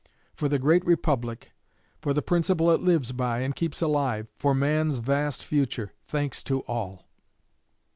For the great Republic for the principle it lives by and keeps alive for man's vast future thanks to all.